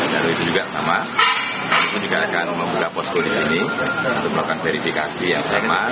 dari itu juga sama kita juga akan membuka posko di sini untuk melakukan verifikasi yang sama